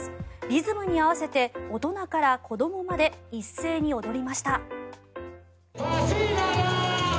リズムに合わせて大人から子どもまで一斉に踊りました。